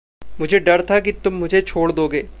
मुझे डर था कि तुम मुझे छोड़ दोगे।